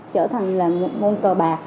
trở thành là một môn cờ bạc